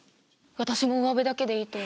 私もうわべだけでいいと思う。